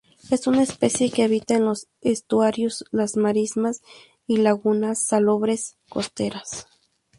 Es una especie que habita en los estuarios, las marismas y lagunas salobres costeras.